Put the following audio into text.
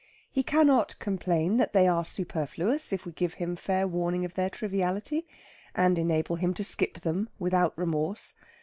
He cannot complain that they are superfluous if we give him fair warning of their triviality, and enable him to skip them without remorse.